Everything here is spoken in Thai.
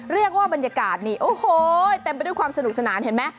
เรียกว่าบรรยากาศนี่โอ้โหเต็มไปด้วยความสนุกสนานเห็นไหม